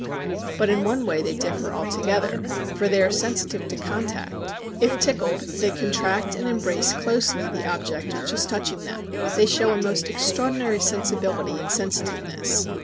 But in one way they differ altogether, for they are sensitive to contact. If tickled, they contract and embrace closely the object which is touching them. They show a most extraordinary sensibility and sensitiveness.